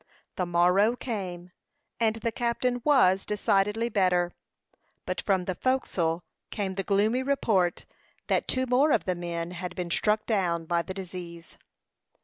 The morrow came, and the captain was decidedly better; but from the forecastle came the gloomy report that two more of the men had been struck down by the disease.